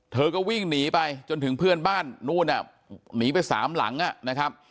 เธอก็วิ่งหนีไปจนถึงเพื่อนบ้านนู้นหนีไปสามหลังนะครับ